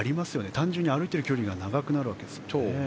単純に歩いている距離が長くなるわけなので。